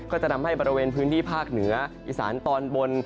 ก็จะทำให้บริเวณพื้นที่ภาคเหนืออีสานตอนบน